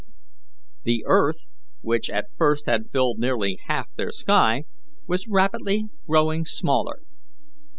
The earth, which at first had filled nearly half their sky, was rapidly growing smaller.